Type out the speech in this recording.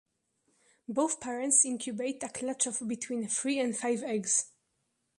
Both parents incubate a clutch of between three and five eggs.